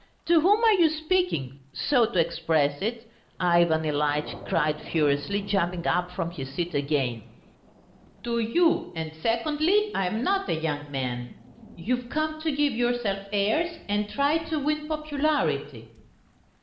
To whom are you speaking, so to express it?" Ivan Ilyitch cried furiously, jumping up from his seat again. "To you; and secondly, I am not a young man.... You've come to give yourself airs and try to win popularity."